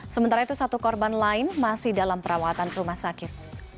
sementara itu satu korban lain masih dalam perawatan rumah sakit